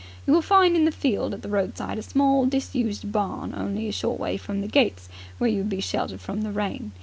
You will find in the field at the roadside a small disused barn only a short way from the gates, where you would be sheltered from the rain.